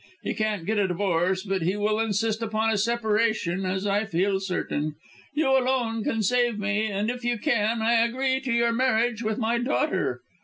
He can't get a divorce, but he will insist upon a separation, as I feel certain. You alone can save me, and, if you can, I agree to your marriage with my daughter.